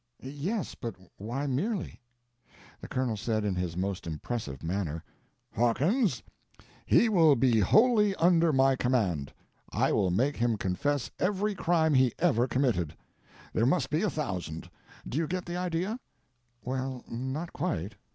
Yes, but why 'merely'?" The Colonel said in his most impressive manner: "Hawkins, he will be wholly under my command. I will make him confess every crime he ever committed. There must be a thousand. Do you get the idea?" "Well—not quite."